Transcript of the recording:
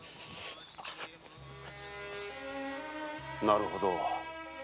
なるほど。